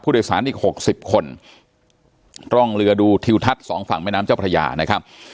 โดยสารอีกหกสิบคนร่องเรือดูทิวทัศน์สองฝั่งแม่น้ำเจ้าพระยานะครับ